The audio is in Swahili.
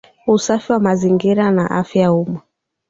Usafi wa mazingira na afya ya umma